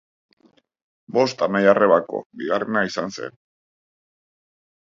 Bost anai-arrebako bigarrena izan zen.